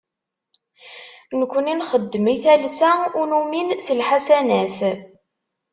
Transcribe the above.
Nekni nxeddem i talsa, ur numin s lḥasanat.